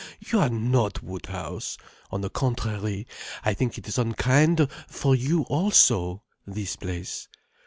You are not Woodhouse. On the contrary, I think it is unkind for you also, this place.